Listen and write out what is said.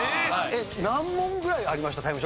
何問ぐらいありました？